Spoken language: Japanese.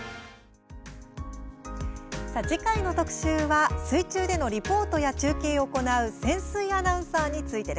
次回の特集は水中でのリポートや中継を行う潜水アナウンサーについて。